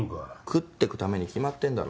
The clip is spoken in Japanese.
食ってくために決まってんだろ。